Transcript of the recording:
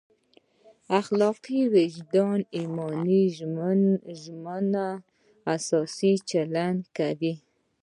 اخلاقي وجدان ایماني ژمنو اساس چلند کوي.